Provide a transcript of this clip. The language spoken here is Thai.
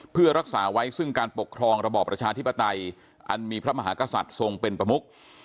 เพื่อรักษาไว้ซึ่งการปกครองระบอบประชาธิปไตยอันมีพระมหากษัตริย์ทรงเป็นประมุก